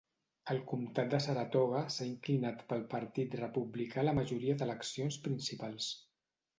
El comtat de Saratoga s'ha inclinat pel Partit Republicà a la majoria d'eleccions principals.